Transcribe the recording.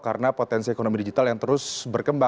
karena potensi ekonomi digital yang terus berkembang